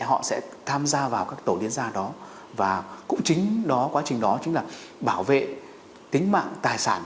họ sẽ tham gia vào các tổ liên gia đó và cũng chính đó quá trình đó chính là bảo vệ tính mạng tài sản